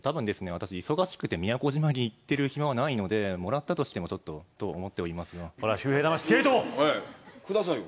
私忙しくて宮古島に行ってる暇はないのでもらったとしてもちょっとと思っておりますがこれは周平魂キレるとこくださいよ